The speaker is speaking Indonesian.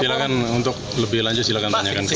silahkan untuk lebih lanjut silahkan tanyakan